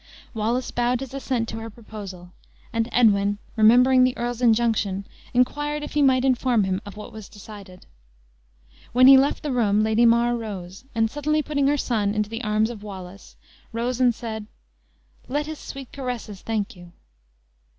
Wallace bowed his assent to her proposal; and Edwin, remembering the earl's injunction, inquired if he might inform him of what was decided. When he left the room, Lady mar rose, and suddenly putting her son into the arms of Wallace, rose, and said: "Let his sweet caresses thank you."